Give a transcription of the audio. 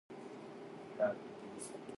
好多中國人連身份證明文件都冇